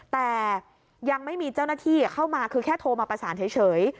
แต่ยังไม่มีเจ้าหน้าที่เข้ามาคือแค่โทรมาประสานเฉย